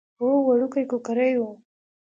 هو وړوکی کوکری و.